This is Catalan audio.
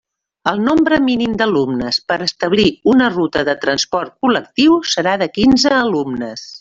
El nombre mínim d'alumnes per a establir una ruta de transport col·lectiu serà de quinze alumnes.